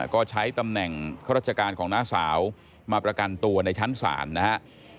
ก็ใช้ตำแหน่งข้าราชการของน้าสาวมาประกันตัวในชั้นศาลนะครับ